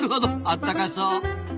あったかそう。